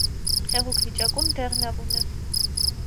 Հեղուկ վիճակում դեղնավուն է։